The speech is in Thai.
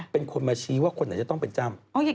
เป็นคนมาชี้ว่าคนไหนจะต้องเป็นจ้ำ